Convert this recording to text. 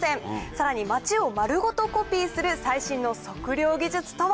さらに町を丸ごとコピーする最新の測量技術とは？